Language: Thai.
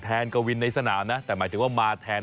กวินในสนามนะแต่หมายถึงว่ามาแทน